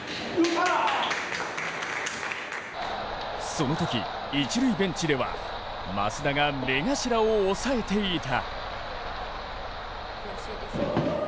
そのとき、一塁ベンチでは益田が目頭を押さえていた。